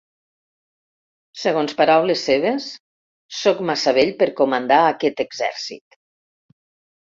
Segons paraules seves, sóc massa vell per comandar aquest exèrcit.